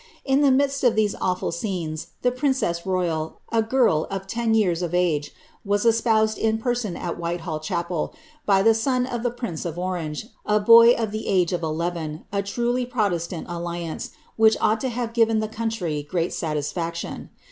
In the midst inl scenes, the princess royal, a little girl of ten years of spoused in person at Whitehall chapel, by the son of the )Fange, a boy of the age of eleven, a truly protestant alii* 1 ought to have given the country great satisfaction.